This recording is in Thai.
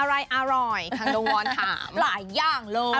อะไรอร่อยทางลงวรทำหลายอย่างเลย